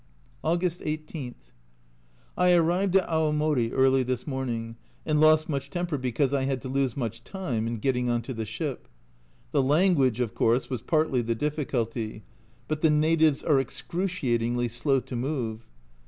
August 18. I arrived at Aomori early this morn ing, and lost much temper because I had to lose much time in getting on to the ship. The language, of course, was partly the difficulty, but the natives are excruciatingly slow to move.